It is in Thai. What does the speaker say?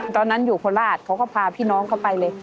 ตอนนั้นอยู่โคราชเขาก็พาพี่น้องเขาไปเลย